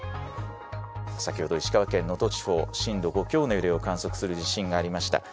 「先ほど石川県能登地方震度５強の揺れを観測する地震がありました。